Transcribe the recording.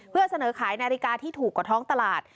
เพื่อเสนอขายนาฬิกาที่ถูกกว่าท้องตลาด